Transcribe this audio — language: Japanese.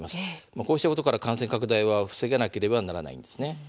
こうしたことから感染拡大は防がなければならないんです。